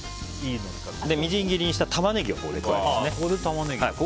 みじん切りにしたタマネギを入れますね。